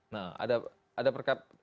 nah ada perkab